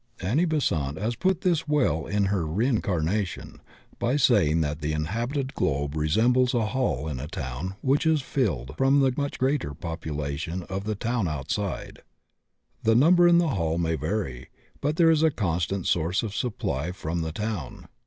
Annie Besant has put this well in her "Reincarnation" by saying that the inhabited globe resembles a hall in a town which is filled from 3ie much greater population of the town outside; the number in the hall may vary, but there is a constant source of supply from the town.